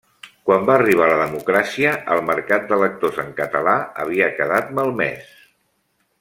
Quan va arribar la democràcia, el mercat de lectors en català havia quedat malmès.